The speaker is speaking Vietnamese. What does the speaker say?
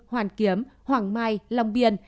hoàn kiếm hoàng mai lòng biên